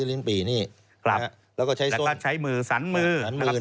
แล้วก็ใช้มือสันมือ